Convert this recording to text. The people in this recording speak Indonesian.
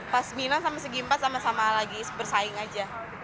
pas minang sama segi empat sama sama lagi bersaing aja